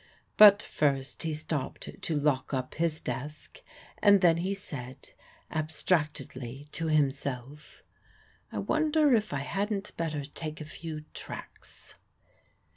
But first he stopped to lock up his desk, and then he said, abstractedly to himself, "I wonder if I hadn't better take a few tracts."